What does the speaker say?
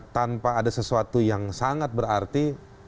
tanpa ada sesuatu yang sangat berarti